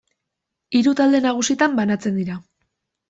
Hiru talde nagusitan banatzen dira.